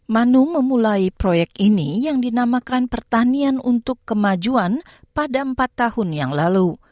manu memulai proyek ini yang dinamakan pertanian untuk kemajuan pada empat tahun yang lalu